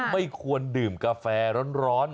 ไม่ควรดื่มกาแฟร้อน